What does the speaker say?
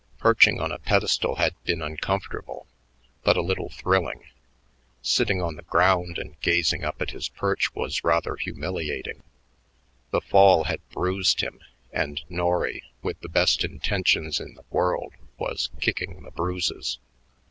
Perching on a pedestal had been uncomfortable but a little thrilling; sitting on the ground and gazing up at his perch was rather humiliating. The fall had bruised him; and Norry, with the best intentions in the world, was kicking the bruises.